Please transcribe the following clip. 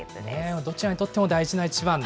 どちらにとっても大事な一番。